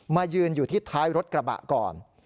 ยืนอยู่ที่ท้ายรถกระบะก่อน